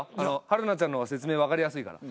春菜ちゃんの方が説明分かりやすいから。